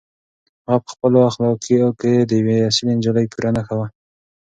هغه په خپلو اخلاقو کې د یوې اصیلې نجلۍ پوره نښه وه.